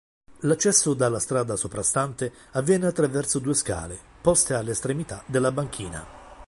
L'accesso dalla strada soprastante avviene attraverso due scale, poste alle estremità della banchina.